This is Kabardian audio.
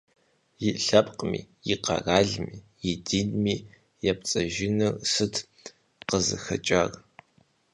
И лъэпкъми, и къэралми, и динми епцӀыжыныр сыт къызыхэкӀар?